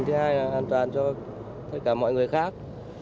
thứ hai là an toàn cho tất cả mọi người khác